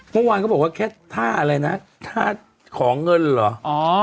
เมื่อวานเขาบอกว่าแค่ท่าอะไรนะท่าขอเงินเหรอ